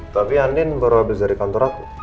tapi andin baru habis dari kantor aku